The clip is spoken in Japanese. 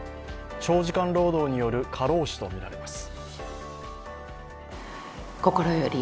長時間労働による過労死とみられます。